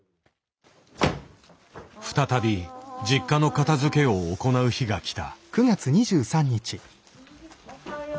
再び実家の片づけを行う日がきた。